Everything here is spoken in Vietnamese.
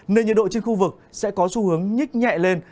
nên nhiệt độ trên khu vực sẽ có xu hướng nhích nhẹ lên